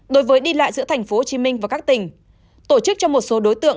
đối với đi lại giữa thành phố hồ chí minh và các tỉnh tổ chức cho một số đối tượng